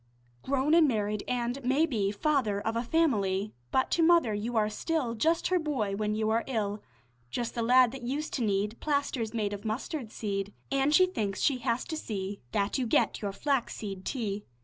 Grown and married an' maybe Father of a family, But to mother you are still Just her boy when you are ill; Just the lad that used to need Plasters made of mustard seed; An' she thinks she has to see That you get your flaxseed tea.